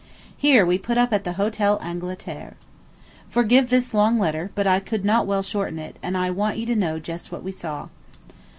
Here we put up at the Hotel Angleterre. Forgive this long letter; but I could not well shorten it, and I want you to know just what we saw.